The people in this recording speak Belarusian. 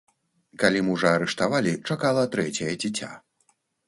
Калі мужа арыштавалі, чакала трэцяе дзіця.